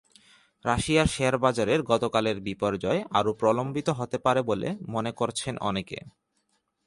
রাশিয়ার শেয়ারবাজারের গতকালের বিপর্যয় আরও প্রলম্বিত হতে পারে বলে মনে করছেন অনেকে।